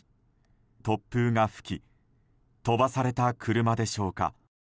突風が吹き飛ばされた車でしょうか。